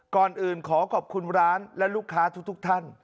ก่อนอื่นขอขอบคุณร้านและลูกค้าทุกท่าน